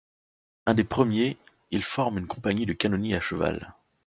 Un des premiers, il forme une compagnie de canonniers à cheval.